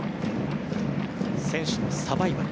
選手のサバイバル。